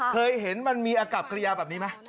เคยเห็นมันมีอากับกริยาแบบนี้ไหม